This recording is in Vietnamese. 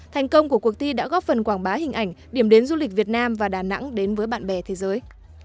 thành công của cuộc thi đã góp phần quảng bá hình ảnh điểm đến du lịch việt nam và đà nẵng đến với bạn bè thế giới